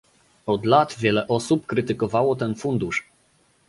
Od lat wiele osób krytykowało ten fundusz